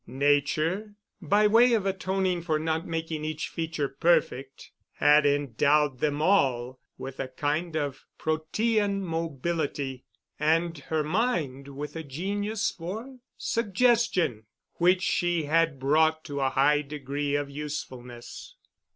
Nature, by way of atoning for not making each feature perfect, had endowed them all with a kind of Protean mobility, and her mind with a genius for suggestion, which she had brought to a high degree of usefulness.